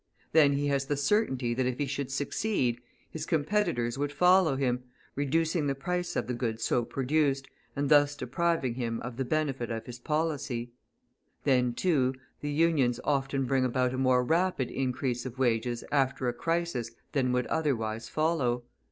Then he has the certainty that if he should succeed, his competitors would follow him, reducing the price of the goods so produced, and thus depriving him of the benefit of his policy. Then, too, the Unions often bring about a more rapid increase of wages after a crisis than would otherwise follow.